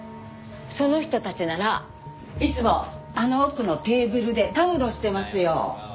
その人たちならいつもあの奥のテーブルでたむろしてますよ。